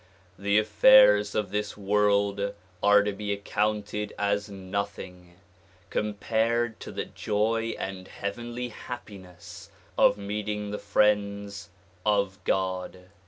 The affairs of this world are to be accounted as nothing compared to the joy and heavenly happiness of meeting the friends of God.